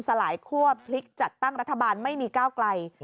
สลายคั่วพลิกจัดตั้งรัฐบาลไม่มีก้าวไกล